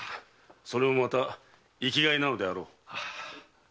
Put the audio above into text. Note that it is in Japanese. それもまた生き甲斐なのであろう。